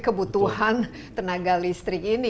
kebutuhan tenaga listrik ini